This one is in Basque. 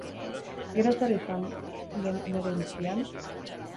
Gero zer izan den nere bizian?